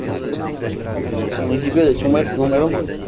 El municipio de Sumner No.